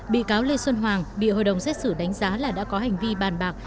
bị cáo lê xuân hoàng bị hội đồng xét xử đánh giá là đã có hành vi bàn bạc